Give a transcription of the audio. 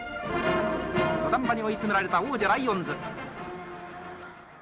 土壇場に追い詰められた王者ライオンズ。